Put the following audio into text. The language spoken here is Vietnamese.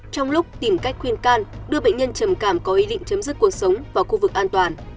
trong lúc tìm cách khuyên can đưa bệnh nhân trầm cảm có ý định chấm dứt cuộc sống vào khu vực an toàn